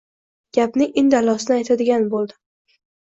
Gapning indallosini aytadigan bo‘ldim.